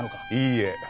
いいえ。